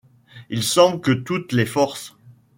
Il semble que toutes les forces